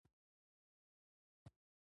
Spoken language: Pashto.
له همدې شېبې نه چې ته مې ولیدې زموږ په کور کې.